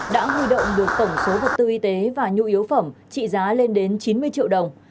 đã huy động được tổng số vật tư y tế và nhu yếu phẩm trị giá lên đến chín mươi triệu đồng